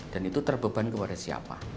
dan itu terbeban kepada siapa